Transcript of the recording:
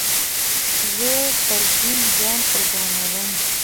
زه پر دين ځان قربانوم.